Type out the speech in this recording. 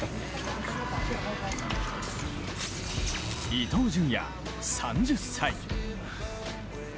伊東純也３０歳。